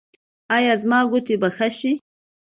ایا زما ګوتې به ښې شي؟